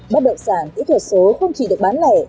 bất động sản kỹ thuật số không chỉ được bán lẻ